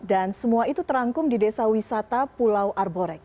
dan semua itu terangkum di desa wisata pulau arborek